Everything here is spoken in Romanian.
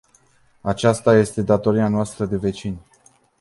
Aceasta este datoria noastră de vecini.